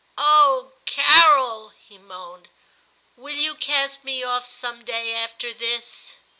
* Oh ! Carol,' he moaned, * will you cast me off some day after this